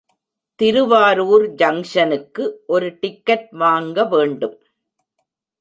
திருவாரூர் ஜங்ஷனுக்கு ஒரு டிக்கட் வாங்கவேணும்.